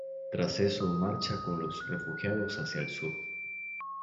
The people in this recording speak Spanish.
Tras eso, marcha con los refugiados hacia el Sur.